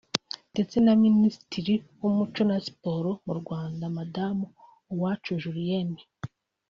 ndetse na Minisitiri w’Umuco na Siporo mu Rwanda Madamu Uwacu Julienne